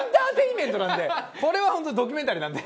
これは本当にドキュメンタリーなんで。